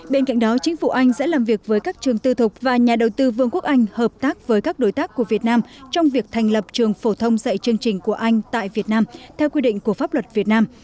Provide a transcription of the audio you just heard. bên cạnh đó chính phủ anh sẽ làm việc với các trường tư thục và nhà đầu tư vương quốc anh hợp tác với các đối tác của việt nam trong việc thành lập trường phổ thông dạy chương trình của anh tại việt nam theo quy định của pháp luật việt nam